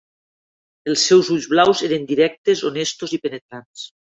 Els seus ulls blaus eren directes, honestos i penetrants.